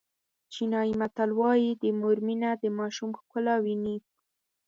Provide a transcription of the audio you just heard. چینایي متل وایي د مور مینه د ماشوم ښکلا ویني.